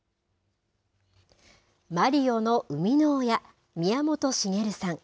マリオの生みの親、宮本茂さん。